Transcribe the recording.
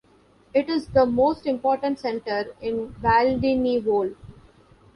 It is the most important center in Valdinievole.